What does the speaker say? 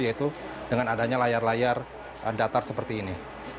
yaitu dengan adanya layar layar datar seperti ini